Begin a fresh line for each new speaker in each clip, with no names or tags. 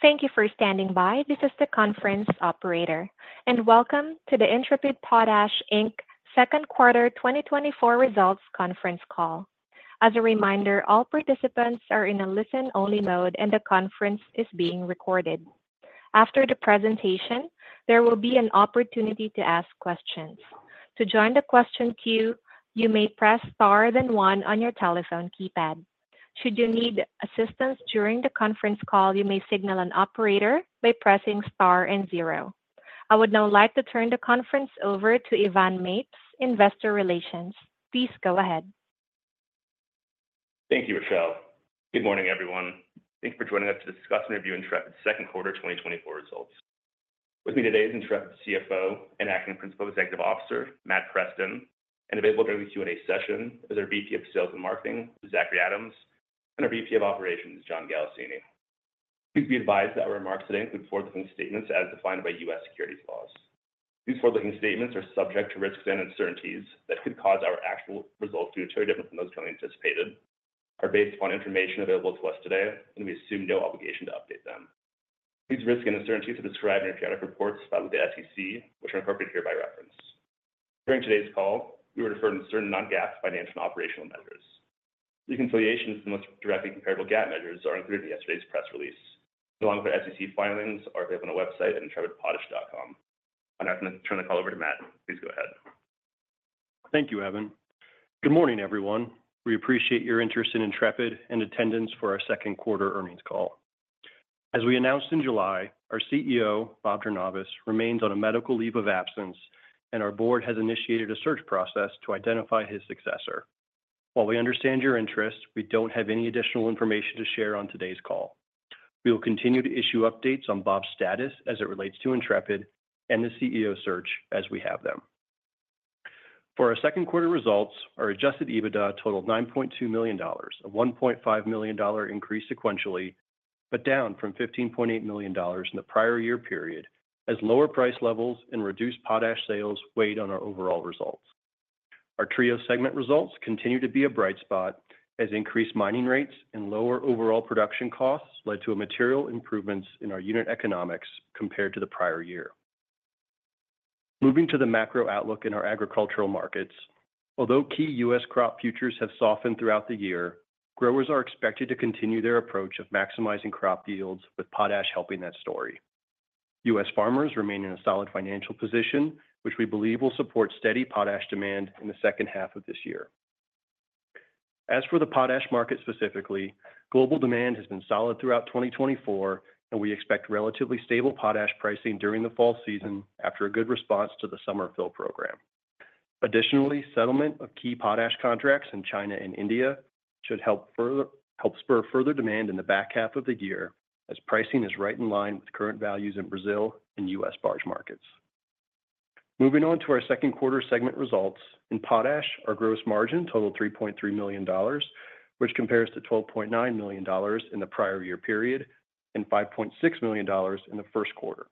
Thank you for standing by. This is the conference operator, and welcome to the Intrepid Potash, Inc.'s Second Quarter 2024 Results Conference Call. As a reminder, all participants are in a listen-only mode, and the conference is being recorded. After the presentation, there will be an opportunity to ask questions. To join the question queue, you may press Star then one on your telephone keypad. Should you need assistance during the conference call, you may signal an operator by pressing Star and zero. I would now like to turn the conference over to Evan Mapes, Investor Relations. Please go ahead.
Thank you, Michelle. Good morning, everyone. Thanks for joining us to discuss and review Intrepid's second quarter, 2024 results. With me today is Intrepid's CFO and Acting Principal Executive Officer, Matt Preston, and available during the Q&A session is our VP of Sales and Marketing, Zachry Adams, and our VP of Operations, John Galassini. Please be advised that our remarks today include forward-looking statements as defined by U.S. securities laws. These forward-looking statements are subject to risks and uncertainties that could cause our actual results to be materially different from those currently anticipated, are based upon information available to us today, and we assume no obligation to update them. These risks and uncertainties are described in our periodic reports filed with the SEC, which are incorporated here by reference. During today's call, we refer to certain non-GAAP financial and operational measures. Reconciliations to the most directly comparable GAAP measures are included in yesterday's press release, along with our SEC filings, are available on our website at intrepidpotash.com. I'm now going to turn the call over to Matt. Please go ahead.
Thank you, Evan. Good morning, everyone. We appreciate your interest in Intrepid and attendance for our second quarter earnings call. As we announced in July, our CEO, Bob Jornayvaz, remains on a medical leave of absence, and our board has initiated a search process to identify his successor. While we understand your interest, we don't have any additional information to share on today's call. We will continue to issue updates on Bob's status as it relates to Intrepid and the CEO search as we have them. For our second quarter results, our Adjusted EBITDA totaled $9.2 million, a $1.5 million increase sequentially, but down from $15.8 million in the prior year period, as lower price levels and reduced potash sales weighed on our overall results. Our Trio segment results continue to be a bright spot as increased mining rates and lower overall production costs led to a material improvements in our unit economics compared to the prior year. Moving to the macro outlook in our agricultural markets, although key U.S. crop futures have softened throughout the year, growers are expected to continue their approach of maximizing crop yields, with potash helping that story. U.S. farmers remain in a solid financial position, which we believe will support steady potash demand in the second half of this year. As for the potash market specifically, global demand has been solid throughout 2024, and we expect relatively stable potash pricing during the fall season after a good response to the Summer Fill Program. Additionally, settlement of key potash contracts in China and India should help spur further demand in the back half of the year, as pricing is right in line with current values in Brazil and U.S. barge markets. Moving on to our second quarter segment results. In potash, our gross margin totaled $3.3 million, which compares to $12.9 million in the prior year period and $5.6 million in the first quarter.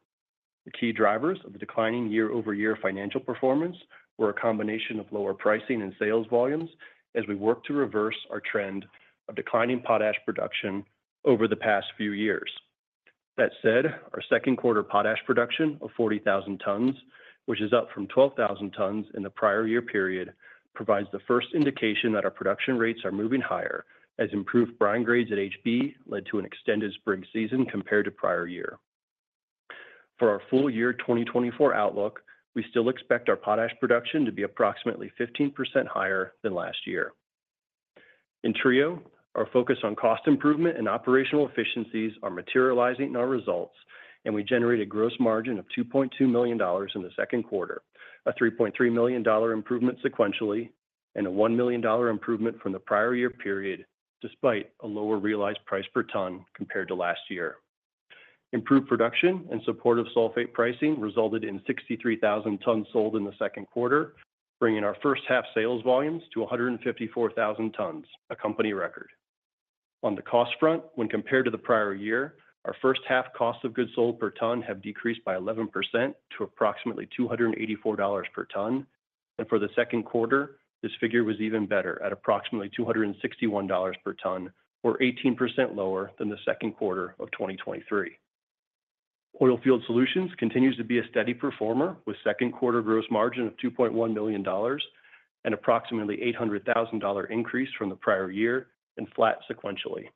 The key drivers of the declining year-over-year financial performance were a combination of lower pricing and sales volumes as we work to reverse our trend of declining potash production over the past few years. That said, our second quarter potash production of 40,000 tons, which is up from 12,000 tons in the prior year period, provides the first indication that our production rates are moving higher, as improved brine grades at HB led to an extended spring season compared to prior year. For our full year 2024 outlook, we still expect our potash production to be approximately 15% higher than last year. In Trio, our focus on cost improvement and operational efficiencies are materializing in our results, and we generate a gross margin of $2.2 million in the second quarter, a $3.3 million dollar improvement sequentially and a $1 million dollar improvement from the prior year period, despite a lower realized price per ton compared to last year. Improved production in support of sulfate pricing resulted in 63,000 tons sold in the second quarter, bringing our first half sales volumes to 154,000 tons, a company record. On the cost front, when compared to the prior year, our first half cost of goods sold per ton have decreased by 11% to approximately $284 per ton, and for the second quarter, this figure was even better at approximately $261 per ton or 18% lower than the second quarter of 2023. Oilfield Solutions continues to be a steady performer with second quarter gross margin of $2.1 million, and approximately $800,000 increase from the prior year and flat sequentially.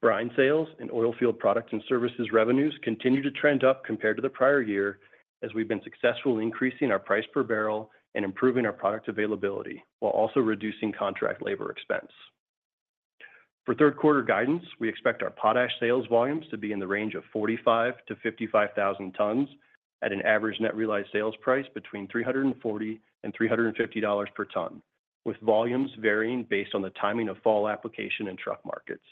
Brine sales and oilfield products and services revenues continue to trend up compared to the prior year, as we've been successful in increasing our price per barrel and improving our product availability, while also reducing contract labor expense. For third quarter guidance, we expect our potash sales volumes to be in the range of 45,000-55,000 tons at an average net realized sales price between $340-$350 per ton, with volumes varying based on the timing of fall application and truck markets.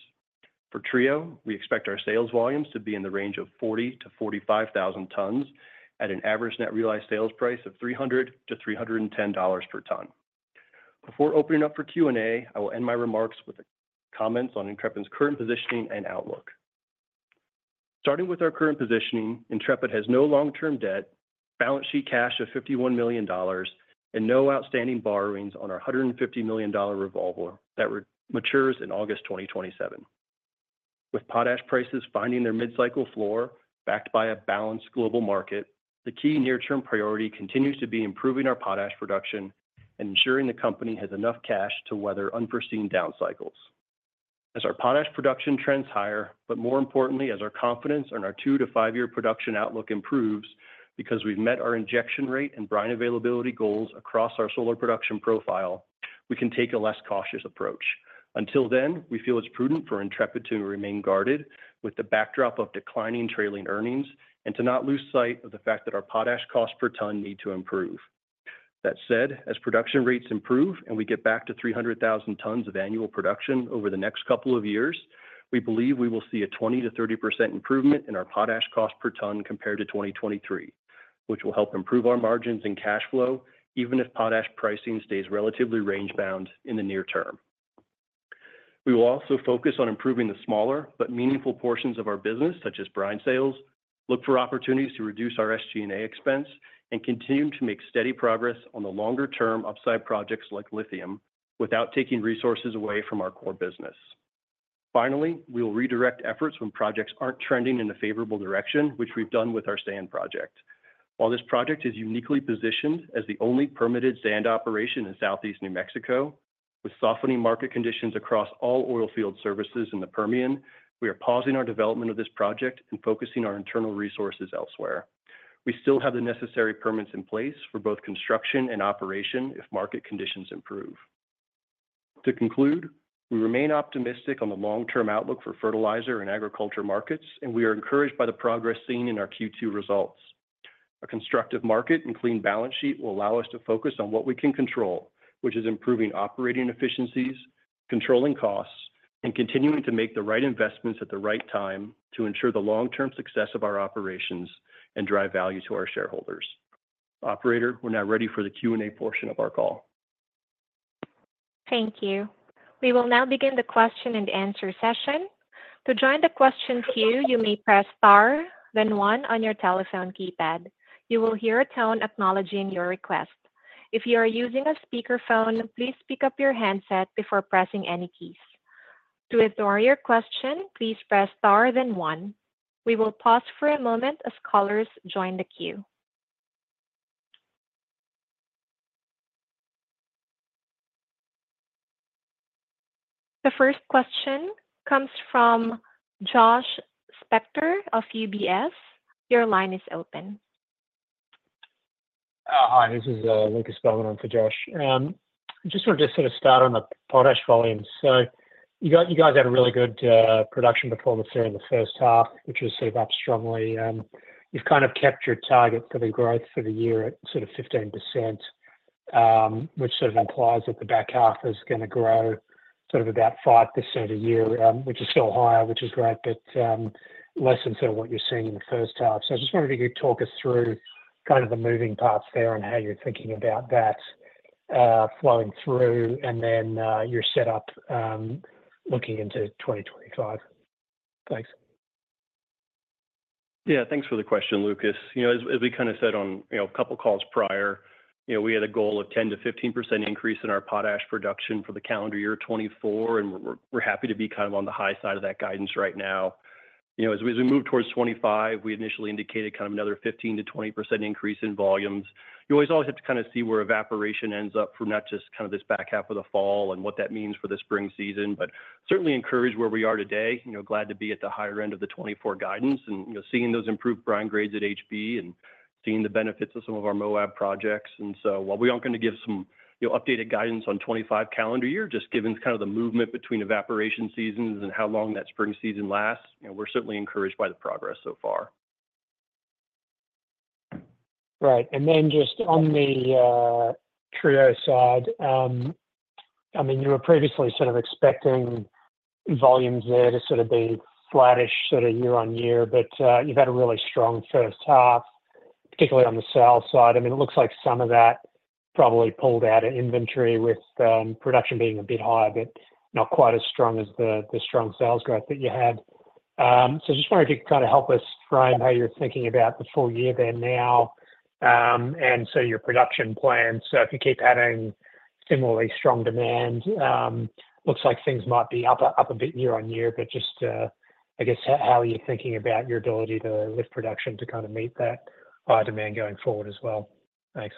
For Trio, we expect our sales volumes to be in the range of 40,000-45,000 tons at an average net realized sales price of $300-$310 per ton. Before opening up for Q&A, I will end my remarks with the comments on Intrepid's current positioning and outlook.... Starting with our current positioning, Intrepid has no long-term debt, balance sheet cash of $51 million, and no outstanding borrowings on our $150 million revolver that rematures in August 2027. With potash prices finding their mid-cycle floor, backed by a balanced global market, the key near-term priority continues to be improving our potash production and ensuring the company has enough cash to weather unforeseen down cycles. As our potash production trends higher, but more importantly, as our confidence in our two to five-year production outlook improves, because we've met our injection rate and brine availability goals across our solar production profile, we can take a less cautious approach. Until then, we feel it's prudent for Intrepid to remain guarded with the backdrop of declining trailing earnings, and to not lose sight of the fact that our potash costs per ton need to improve. That said, as production rates improve and we get back to 300,000 tons of annual production over the next couple of years, we believe we will see a 20%-30% improvement in our potash cost per ton compared to 2023, which will help improve our margins and cash flow, even if potash pricing stays relatively range-bound in the near term. We will also focus on improving the smaller but meaningful portions of our business, such as brine sales, look for opportunities to reduce our SG&A expense, and continue to make steady progress on the longer-term upside projects like lithium, without taking resources away from our core business. Finally, we will redirect efforts when projects aren't trending in a favorable direction, which we've done with our sand project. While this project is uniquely positioned as the only permitted sand operation in Southeast New Mexico, with softening market conditions across all oil field services in the Permian, we are pausing our development of this project and focusing our internal resources elsewhere. We still have the necessary permits in place for both construction and operation if market conditions improve. To conclude, we remain optimistic on the long-term outlook for fertilizer and agriculture markets, and we are encouraged by the progress seen in our Q2 results. A constructive market and clean balance sheet will allow us to focus on what we can control, which is improving operating efficiencies, controlling costs, and continuing to make the right investments at the right time to ensure the long-term success of our operations and drive value to our shareholders. Operator, we're now ready for the Q&A portion of our call.
Thank you. We will now begin the question and answer session. To join the question queue, you may press star, then one on your telephone keypad. You will hear a tone acknowledging your request. If you are using a speakerphone, please pick up your handset before pressing any keys. To withdraw your question, please press star, then one. We will pause for a moment as callers join the queue. The first question comes from Josh Spector of UBS. Your line is open.
Hi, this is Lucas Beaumont for Josh. Just want to sort of start on the potash volumes. So you guys had a really good production performance there in the first half, which ramped up strongly. You've kinda kept your target for the growth for the year at sort of 15%, which sort of implies that the back half is gonna grow sort of about 5% a year, which is still higher, which is great, but less than sort of what you're seeing in the first half. So I just wanted you to talk us through kinda the moving parts there and how you're thinking about that flowing through, and then your setup looking into 2025. Thanks.
Yeah, thanks for the question, Lucas. You know, as, as we kinda said on, you know, a couple of calls prior, you know, we had a goal of 10%-15% increase in our potash production for the calendar year 2024, and we're, we're happy to be kind of on the high side of that guidance right now. You know, as we, as we move towards 2025, we initially indicated kind of another 15%-20% increase in volumes. You always, always have to kinda see where evaporation ends up for not just kinda this back half of the fall and what that means for the spring season, but certainly encouraged where we are today. You know, glad to be at the higher end of the 2024 guidance and, you know, seeing those improved brine grades at HB and seeing the benefits of some of our Moab projects. So while we aren't gonna give some, you know, updated guidance on 2025 calendar year, just given kinda the movement between evaporation seasons and how long that spring season lasts, we're certainly encouraged by the progress so far.
Right. And then just on the, Trio side, I mean, you were previously sort of expecting volumes there to sort of be flattish sort of year on year, but, you've had a really strong first half, particularly on the sales side. I mean, it looks like some of that probably pulled out of inventory with, production being a bit higher, but not quite as strong as the strong sales growth that you had. So just wanted to kinda help us frame how you're thinking about the full year then now, and so your production plans. So if you keep adding similarly strong demand, looks like things might be up a bit year on year, but just, I guess, how are you thinking about your ability to lift production to kinda meet that high demand going forward as well? Thanks.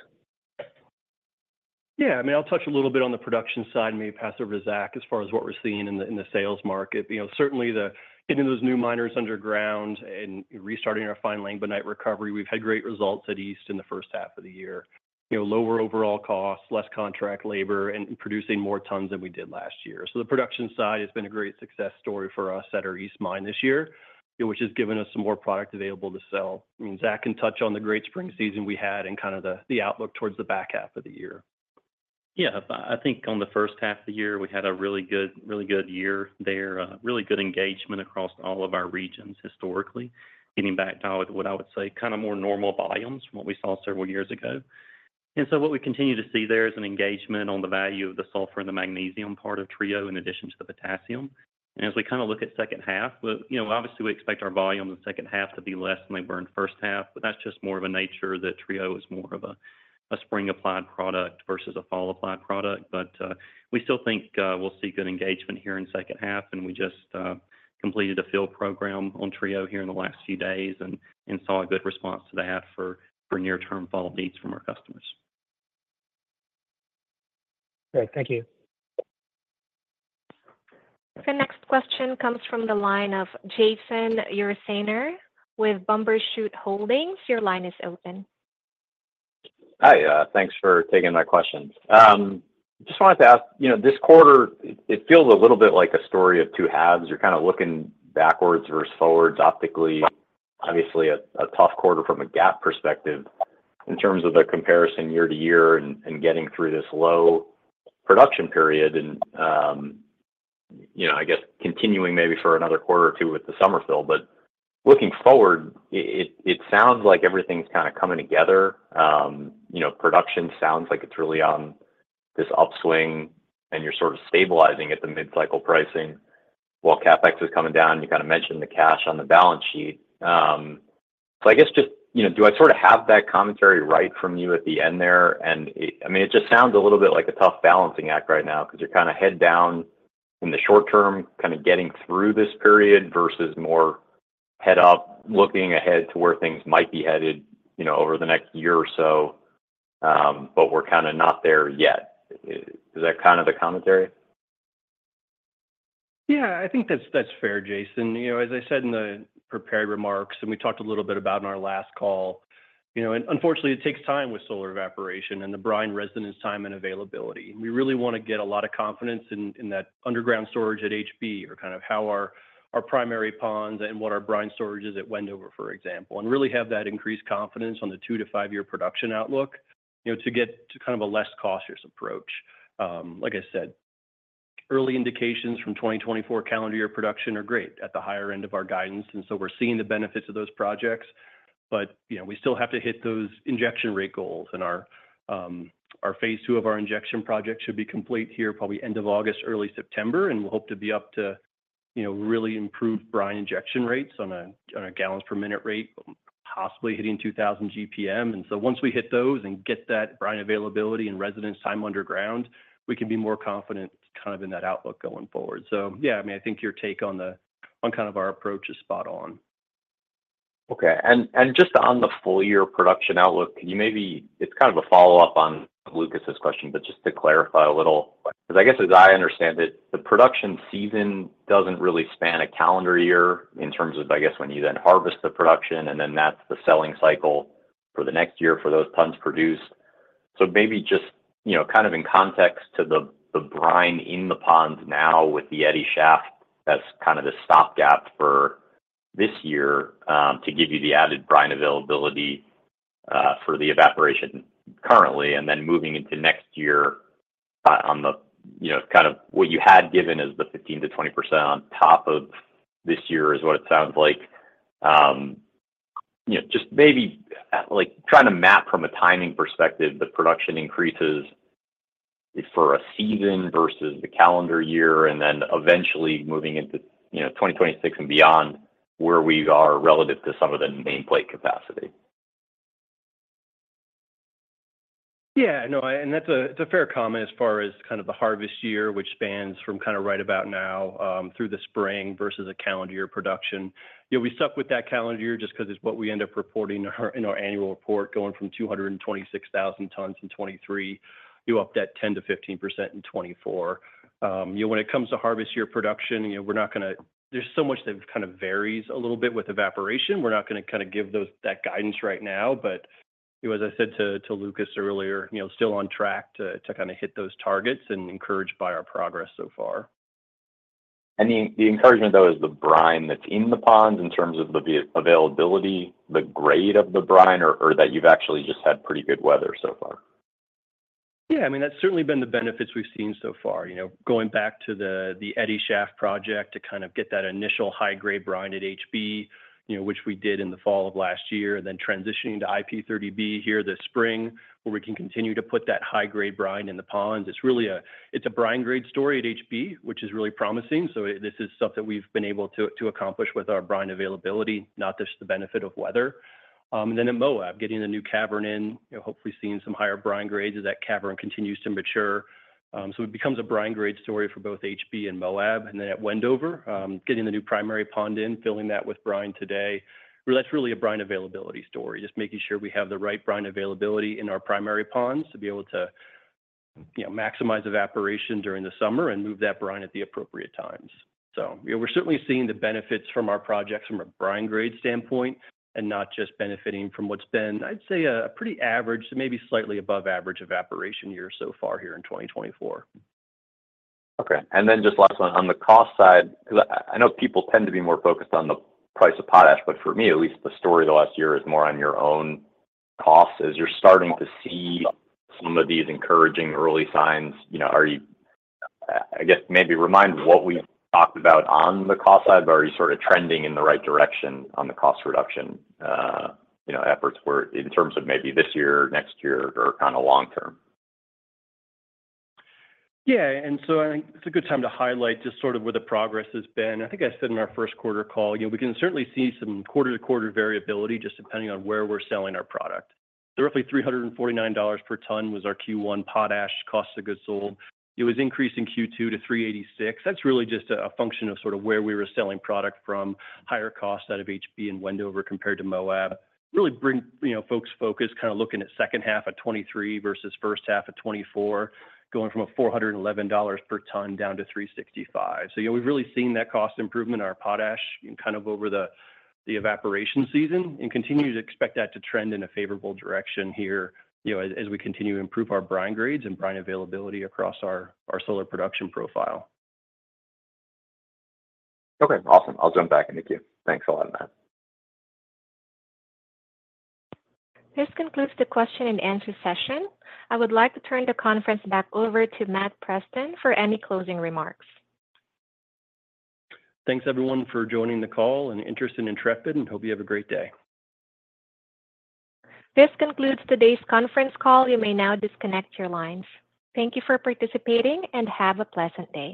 Yeah, I mean, I'll touch a little bit on the production side, and maybe pass over to Zach, as far as what we're seeing in the sales market. You know, certainly the getting those new miners underground and restarting our fine langbeinite recovery, we've had great results at East in the first half of the year. You know, lower overall costs, less contract labor, and producing more tons than we did last year. So the production side has been a great success story for us at our East Mine this year, which has given us some more product available to sell. I mean, Zach can touch on the great spring season we had and kinda the outlook towards the back half of the year. Yeah, I think on the first half of the year, we had a really good, really good year there, really good engagement across all of our regions historically, getting back to what I would say, kinda more normal volumes from what we saw several years ago.... And so what we continue to see there is an engagement on the value of the sulfur and the magnesium part of Trio, in addition to the potassium. And as we kind of look at second half, well, you know, obviously, we expect our volume in the second half to be less than they were in first half, but that's just more of a nature that Trio is more of a spring applied product versus a fall applied product. But we still think we'll see good engagement here in second half, and we just completed a field program on Trio here in the last few days, and saw a good response to that for near-term fall needs from our customers.
Great. Thank you.
The next question comes from the line of Jason Ursaner with Bumbershoot Holdings. Your line is open.
Hi, thanks for taking my questions. Just wanted to ask, you know, this quarter, it feels a little bit like a story of two halves. You're kind of looking backwards versus forwards optically. Obviously, a tough quarter from a GAAP perspective in terms of the comparison year to year and getting through this low production period and, you know, I guess continuing maybe for another quarter or two with the summer fill. But looking forward, it sounds like everything's kinda coming together. You know, production sounds like it's really on this upswing, and you're sort of stabilizing at the mid-cycle pricing while CapEx is coming down. You kinda mentioned the cash on the balance sheet. So I guess just, you know, do I sort of have that commentary right from you at the end there? I mean, it just sounds a little bit like a tough balancing act right now, 'cause you're kinda head down in the short term, kinda getting through this period versus more head up, looking ahead to where things might be headed, you know, over the next year or so, but we're kinda not there yet. Is that kind of the commentary?
Yeah, I think that's, that's fair, Jason. You know, as I said in the prepared remarks, and we talked a little bit about in our last call, you know, and unfortunately, it takes time with solar evaporation and the brine residence time and availability. We really wanna get a lot of confidence in, in that underground storage at HB or kind of how our, our primary ponds and what our brine storage is at Wendover, for example, and really have that increased confidence on the two to five-year production outlook, you know, to get to kind of a less cautious approach. Like I said, early indications from 2024 calendar year production are great, at the higher end of our guidance, and so we're seeing the benefits of those projects. But, you know, we still have to hit those injection rate goals, and our phase two of our injection project should be complete here, probably end of August, early September. We'll hope to be up to, you know, really improved brine injection rates on a gallons per minute rate, possibly hitting 2,000 GPM. So once we hit those and get that brine availability and residence time underground, we can be more confident kind of in that outlook going forward. Yeah, I mean, I think your take on kind of our approach is spot on.
Okay. And just on the full year production outlook, can you maybe... It's kind of a follow-up on Lucas's question, but just to clarify a little, 'cause I guess, as I understand it, the production season doesn't really span a calendar year in terms of, I guess, when you then harvest the production, and then that's the selling cycle for the next year for those tons produced. So maybe just, you know, kind of in context to the brine in the ponds now with the Eddy Shaft, that's kind of the stopgap for this year, to give you the added brine availability, for the evaporation currently and then moving into next year, on the, you know, kind of what you had given as the 15%-20% on top of this year is what it sounds like. You know, just maybe, like, trying to map from a timing perspective, the production increases for a season versus the calendar year, and then eventually moving into, you know, 2026 and beyond, where we are relative to some of the main plate capacity.
Yeah. No, and that's, it's a fair comment as far as kind of the harvest year, which spans from kinda right about now, through the spring versus a calendar year production. Yeah, we stuck with that calendar year just 'cause it's what we end up reporting in our, in our annual report, going from 226,000 tons in 2023, you up that 10%-15% in 2024. You know, when it comes to harvest year production, you know, we're not gonna. There's so much that kind of varies a little bit with evaporation. We're not gonna kinda give that guidance right now, but, you know, as I said to Lucas earlier, you know, still on track to kinda hit those targets and encouraged by our progress so far.
And the encouragement, though, is the brine that's in the ponds in terms of the availability, the grade of the brine, or that you've actually just had pretty good weather so far?
Yeah, I mean, that's certainly been the benefits we've seen so far. You know, going back to the Eddy Shaft project to kind of get that initial high-grade brine at HB, you know, which we did in the fall of last year, and then transitioning to IP-30B here this spring, where we can continue to put that high-grade brine in the ponds. It's really it's a brine grade story at HB, which is really promising, so this is stuff that we've been able to accomplish with our brine availability, not just the benefit of weather. Then in Moab, getting the new cavern in, you know, hopefully seeing some higher brine grades as that cavern continues to mature. So it becomes a brine grade story for both HB and Moab, and then at Wendover, getting the new primary pond in, filling that with brine today. Well, that's really a brine availability story, just making sure we have the right brine availability in our primary ponds to be able to, you know, maximize evaporation during the summer and move that brine at the appropriate times. So, you know, we're certainly seeing the benefits from our projects from a brine grade standpoint and not just benefiting from what's been, I'd say, a pretty average, maybe slightly above average evaporation year so far here in 2024.
Okay, and then just last one. On the cost side, 'cause I know people tend to be more focused on the price of potash, but for me at least, the story of the last year is more on your own costs. As you're starting to see some of these encouraging early signs, you know, are you, I guess, maybe remind what we talked about on the cost side, but are you sorta trending in the right direction on the cost reduction, you know, efforts, where, in terms of maybe this year, next year, or kinda long term?
Yeah, and so I think it's a good time to highlight just sort of where the progress has been. I think I said in our first quarter call, you know, we can certainly see some quarter-to-quarter variability, just depending on where we're selling our product. Roughly $349 per ton was our Q1 potash cost of goods sold. It was increased in Q2 to $386. That's really just a function of sort of where we were selling product from, higher costs out of HB and Wendover compared to Moab. Really bring, you know, folks' focus, kinda looking at second half of 2023 versus first half of 2024, going from $411 per ton down to $365. So yeah, we've really seen that cost improvement in our potash and kind of over the evaporation season, and continue to expect that to trend in a favorable direction here, you know, as we continue to improve our brine grades and brine availability across our solar production profile.
Okay, awesome. I'll jump back into queue. Thanks a lot, Matt.
This concludes the question and answer session. I would like to turn the conference back over to Matt Preston for any closing remarks.
Thanks, everyone, for joining the call and interest in Intrepid, and hope you have a great day.
This concludes today's conference call. You may now disconnect your lines. Thank you for participating, and have a pleasant day.